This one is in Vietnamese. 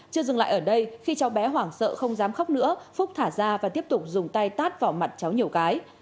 chưa dừng lại ở đây khi cháu bé hoảng sợ không dám khóc nữa phúc thả ra và tiếp tục dùng tay tát vào mặt cháu nhiều cái